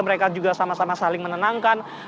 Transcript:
mereka juga sama sama saling menenangkan